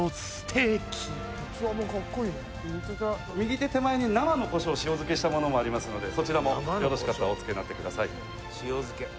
・右手手前に生のコショウを塩漬けしたものもありますのでそちらもよろしかったらおつけになってください